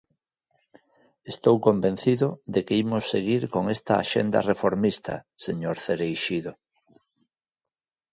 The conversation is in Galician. Estou convencido de que imos seguir con esta axenda reformista, señor Cereixido.